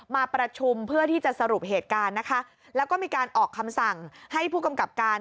มาประชุมเพื่อที่จะสรุปเหตุการณ์นะคะแล้วก็มีการออกคำสั่งให้ผู้กำกับการ